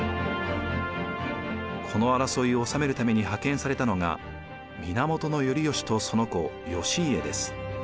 この争いを収めるために派遣されたのが源頼義とその子義家です。